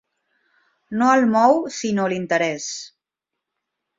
No el mou sinó l'interès.